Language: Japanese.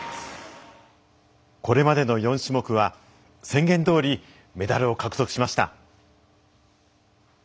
これまでの４種目は宣言どおりメダルを獲得しました。